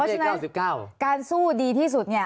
เพราะฉะนั้นการสู้ดีที่สุด